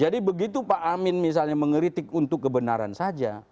jadi begitu pak amin misalnya mengeritik untuk kebenaran saja